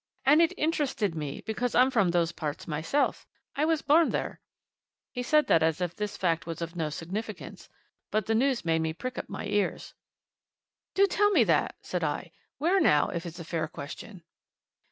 "And it interested me, because I'm from those parts myself I was born there." He said that as if this fact was of no significance. But the news made me prick up my ears. "Do you tell me that!" said I. "Where, now, if it's a fair question?"